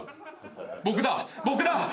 僕だ。